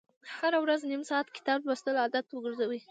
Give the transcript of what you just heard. هره ورځ نیم ساعت کتاب لوستل عادت وګرځوئ.